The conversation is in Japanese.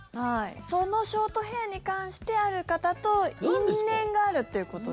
そのショートヘアに関してある方と因縁があるということで。